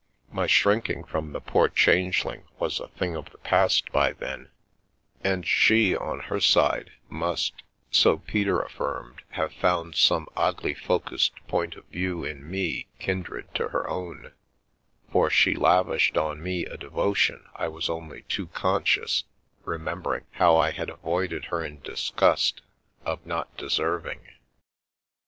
My shrinking from the poor Changeling was a thing of the past by then, and The Milky Way she, on her side, must (so Peter affirmed) have found some oddly focussed point of view in me kindred to her own; for she lavished on me a devotion I was only too conscious, remembering how I had avoided her in dis gust, of not deserving.